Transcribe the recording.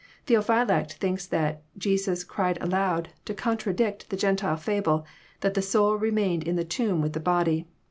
Tbeopliylact thinks that Jesus "cried aloud to contradict the Gentile fable that the soul remained in the tomb with the body.